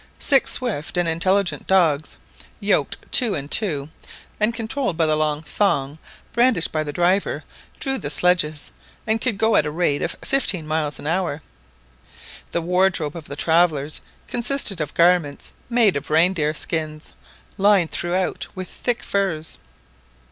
Six swift and intelligent dogs, yoked two and two, and controlled by the long thong brandished by the driver, drew the sledges, and could go at a rate of fifteen miles an hour. The wardrobe of the travellers consisted of garments made of reindeer skins, lined throughout with thick furs.